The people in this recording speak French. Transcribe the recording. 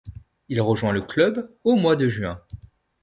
Il rejoint le club au mois de juin.